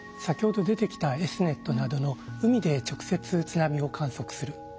先ほど出てきたＳ−ｎｅｔなどの海で直接津波を観測する。